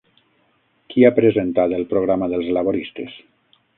Qui ha presentat el programa dels laboristes?